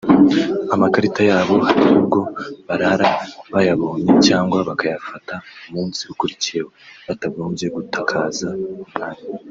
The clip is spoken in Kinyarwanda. amakarita yabo hari ubwo barara bayabonye cyangwa bakayafata umunsi ukurikiyeho batagombye gutakaza umwanya